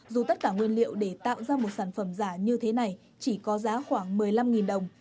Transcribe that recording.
dù tất cả nguyên liệu để tạo ra một sản phẩm giả như thế này chỉ có giá khoảng một mươi năm đồng